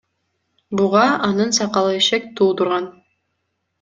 Буга анын сакалы шек туудурган.